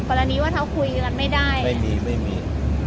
กรณีว่าเขาคุยกันไม่ได้ไม่มีไม่มี